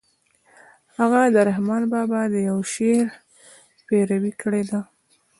هغه د رحمن بابا د يوه شعر پيروي کړې ده.